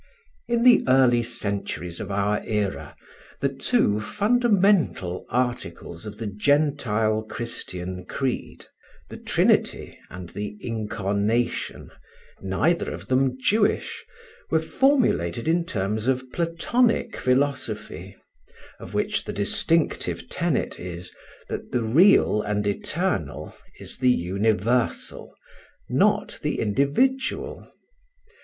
[Illustration: Abélard] In the early centuries of our era, the two fundamental articles of the Gentile Christian creed, the Trinity and the Incarnation, neither of them Jewish, were formulated in terms of Platonic philosophy, of which the distinctive tenet is, that the real and eternal is the universal, not the individual.